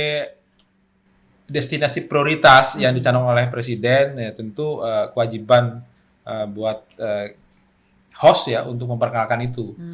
sebagai destinasi prioritas yang dicanang oleh presiden tentu kewajiban buat host ya untuk memperkenalkan itu